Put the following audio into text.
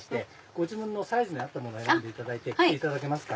ご自分のサイズに合ったものを選んでいただけますか。